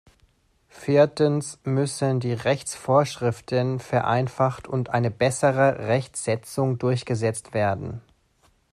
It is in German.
Viertens müssen die Rechtsvorschriften vereinfacht und eine bessere Rechtsetzung durchgesetzt werden.